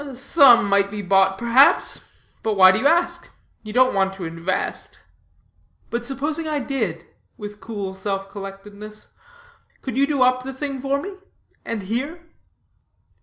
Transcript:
"Some might be bought, perhaps; but why do you ask? you don't want to invest?" "But supposing I did," with cool self collectedness, "could you do up the thing for me, and here?"